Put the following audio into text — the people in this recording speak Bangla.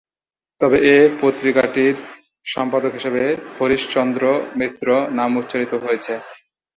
তবে এ পত্রিকাটির সম্পাদক হিসেবে হরিশ চন্দ্র মিত্র নাম উচ্চারিত হয়েছে।